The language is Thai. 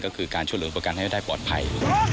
ก็คือการช่วยเหลือประกันให้ได้ปลอดภัย